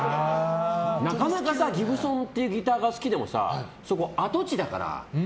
なかなかギブソンというギターが好きでもそこ、跡地だから。